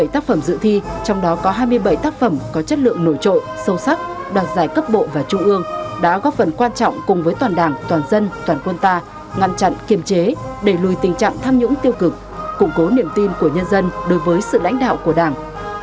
bảy mươi tác phẩm dự thi trong đó có hai mươi bảy tác phẩm có chất lượng nổi trội sâu sắc đoạt giải cấp bộ và trung ương đã góp phần quan trọng cùng với toàn đảng toàn dân toàn quân ta ngăn chặn kiềm chế đẩy lùi tình trạng tham nhũng tiêu cực củng cố niềm tin của nhân dân đối với sự lãnh đạo của đảng